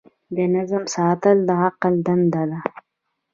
د نظم ساتل د عقل دنده ده.